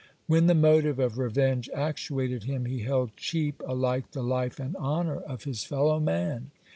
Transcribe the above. (104) When the motive of revenge actuated him, he held cheap alike the life and honor of his fellow man.